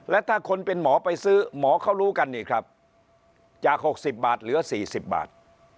และถ้าคนเป็นหมอไปซื้อหมอเขารู้กันนี่ครับจาก๖๐บาทเหลือ๔๐บาท